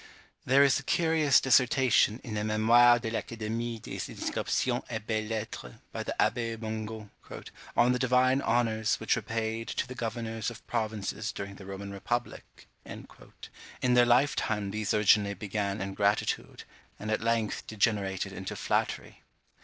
There is a curious dissertation in the "Mémoires de l'Académie des Inscriptions et Belles Lettres," by the Abbé Mongault, "on the divine honours which were paid to the governors of provinces during the Roman republic;" in their lifetime these originally began in gratitude, and at length degenerated into flattery.